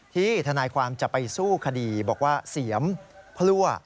ทนายความจะไปสู้คดีบอกว่าเสียมพลั่ว